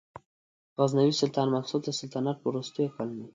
غزنوي سلطان مسعود د سلطنت په وروستیو کلونو کې.